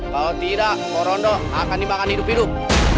kalau tidak pak rondo akan dimakan hidup hidup